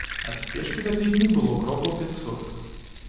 Ад сцежкі да пільні было крокаў пяцьсот.